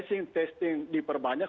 tracing testing di perbanyak